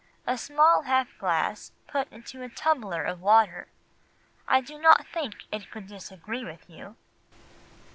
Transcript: A small half glass put into a tumbler of water? I do not think it could disagree with you.